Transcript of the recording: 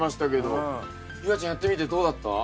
夕空ちゃんやってみてどうだった？